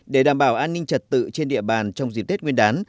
để đảm bảo an ninh trật tự trên địa bàn trong dịp tết nguyên đán